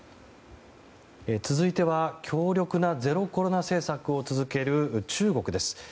続いては強力なゼロコロナ政策を続ける中国です。